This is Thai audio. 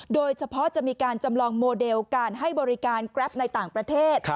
โดยเฉพาะจะมีการจำลองโมเดลการให้บริการแกรปในต่างประเทศ